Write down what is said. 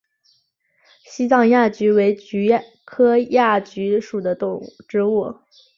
西藏亚菊为菊科亚菊属的植物。